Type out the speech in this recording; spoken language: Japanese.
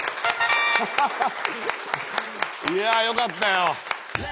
いやよかったよ。